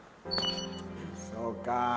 そうか。